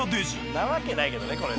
そんなわけないけどねこれね。